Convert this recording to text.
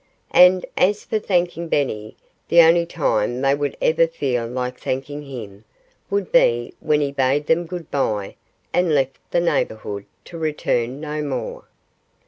And as for thanking Benny, the only time they would ever feel like thanking him would be when he bade them good by and left the neighborhood, to return no more.